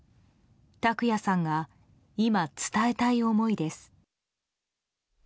卓也さんが今、伝えたい思いです。